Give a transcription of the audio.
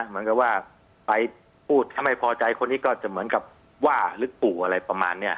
เหมือนกับว่าไปพูดถ้าไม่พอใจคนนี้ก็จะเหมือนกับว่าหรือปู่อะไรประมาณนี้